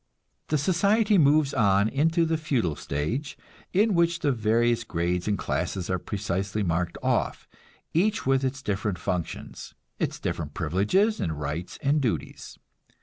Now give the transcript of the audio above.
The society moves on into the feudal stage, in which the various grades and classes are precisely marked off, each with its different functions, its different privileges and rights and duties.